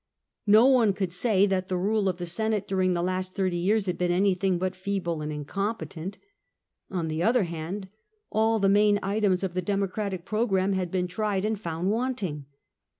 No one could say that the rule of the Senate during the last thirty years had been anything but feeble and incompetent. On the other hand, all the main items of the Democratic pro gramme had been tried and found wanting.